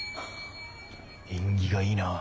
縁起がいいなあ。